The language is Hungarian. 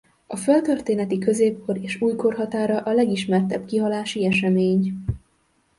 A földtörténeti középkor és újkor határa a legismertebb kihalási esemény.